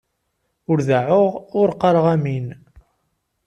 Ur deɛɛuɣ, ur qqaṛeɣ amin.